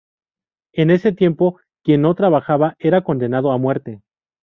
En ese tiempo, quien no trabajaba era condenado a muerte.